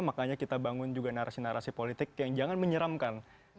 makanya kita bangun juga narasi narasi politik yang jangan menyeramkan